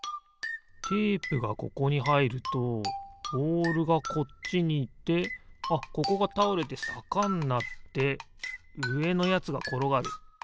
テープがここにはいるとボールがこっちにいってあっここがたおれてさかになってうえのやつがころがる。